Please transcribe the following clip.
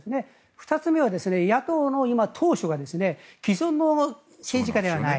２つ目は野党の党首が既存の政治家ではない。